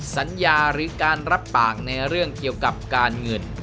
สัญญาหรือการรับปากในเรื่องเกี่ยวกับการเงิน